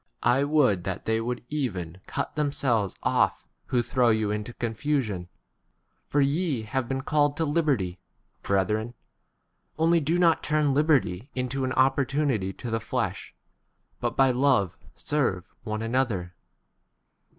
I would that they would even cut k themselves off who throw you 13 into confusion. For ye have been called to l liberty, brethren ; only [do] not [turn] liberty into an opportunity to the flesh, but by 14 love serve one another.